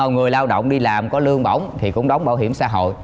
người lao động đi làm có lương bổng thì cũng đóng bảo hiểm xã hội